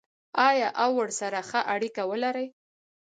آیا او ورسره ښه اړیکه ولري؟